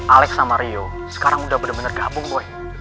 alex sama rio sekarang udah bener bener gabung gue